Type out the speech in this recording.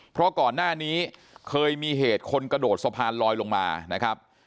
เพราะก่อนหน้านี้เคยมีเหตุคนกระโดดสะพานลอยลงมานะครับ